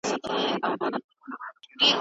پوهه د ماشوم بالعکس مادي دانه ته راوړې.